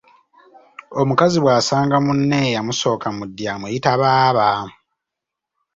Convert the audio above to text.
Omukazi bw’asanga munne eyamusooka mu ddya amuyita baaba.